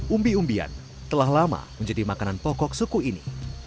umbi umbian telah lama menjadi makanan pokok suku ini